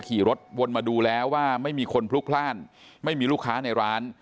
ขี่รถวนมาดูแล้วว่าไม่มีคนพลุกพลาดไม่มีลูกค้าในร้าน